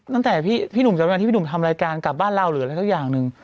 ตั้งแต่ที่พี่หนุ่มทำรายการกลับบ้านเราหรืออะไรทุกอย่างหนึ่ง